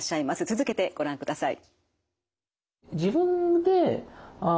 続けてご覧ください。